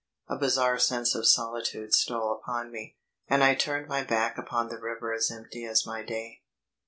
A bizarre sense of solitude stole upon me, and I turned my back upon the river as empty as my day.